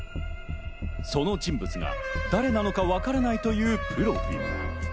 その人物が誰なのかわからないという、ぷろびん。